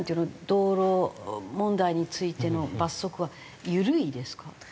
道路問題についての罰則は緩いですか？